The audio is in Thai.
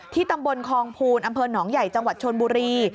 ตำบลคองภูลอำเภอหนองใหญ่จังหวัดชนบุรี